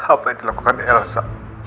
apa yang dilakukan elsa